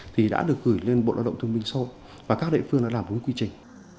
thì đã được gửi lên bộ lao động thương minh sâu và các địa phương đã làm đúng quy trình